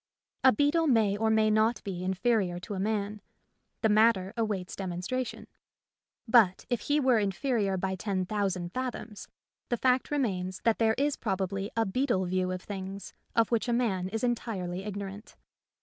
A beetle may or may not be inferior to a man — the matter awaits demonstration ; but if he were in ferior by ten thousand fathoms, the fact remains that there is probably a beetle view of things of which a man is entirely igno rant.